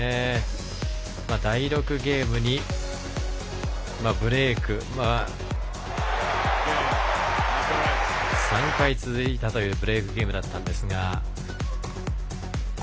第６ゲームにブレーク３回続いたというブレークゲームだったんですが。